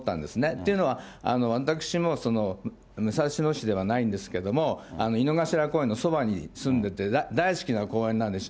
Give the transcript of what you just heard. というのは、私も武蔵野市ではないんですけれども、井の頭公園のそばに住んでて、大好きな公園なんです。